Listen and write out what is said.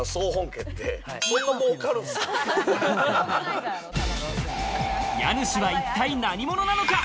家主は一体何者なのか？